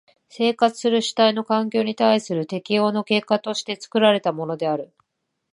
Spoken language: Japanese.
生活する主体の環境に対する適応の結果として作られたものである。